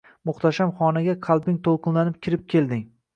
Muhtasham xonaga qalbing to’lqinlanib kirib kelding.